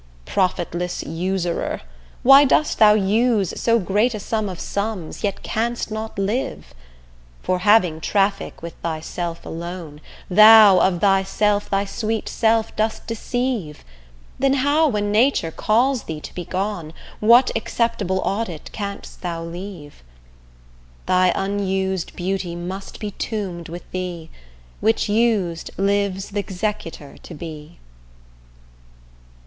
Profitless usurer, why dost thou use So great a sum of sums, yet canst not live? For having traffic with thyself alone, Thou of thyself thy sweet self dost deceive: Then how when nature calls thee to be gone, What acceptable audit canst thou leave? Thy unused beauty must be tombed with thee, Which, used, lives th' executor to be.